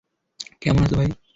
কেমন আছো, ভাই?